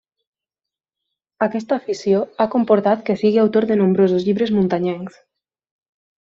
Aquesta afició ha comportat que sigui autor de nombrosos llibres muntanyencs.